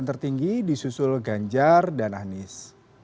yang tertinggi di susul ganjar dan anies